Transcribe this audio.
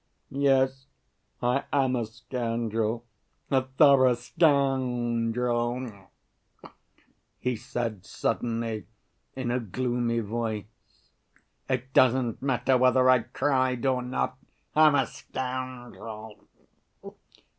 "Yes, I am a scoundrel, a thorough scoundrel!" he said suddenly, in a gloomy voice. "It doesn't matter whether I cried or not, I'm a scoundrel!